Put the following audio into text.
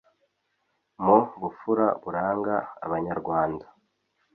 mu bupfura buranga Abanyarwanda